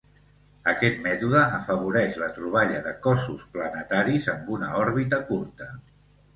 Aquest mètode afavoreix la troballa de cossos planetaris amb una òrbita curta.